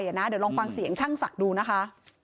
เดี๋ยวลองฟังเสียงช่างศักดิ์ดูนะคะ